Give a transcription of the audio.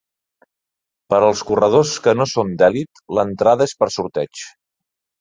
Per als corredors que no són d'elit, l'entrada és per sorteig.